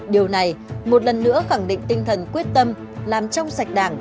điều này một lần nữa khẳng định tinh thần quyết tâm làm trong sạch đảng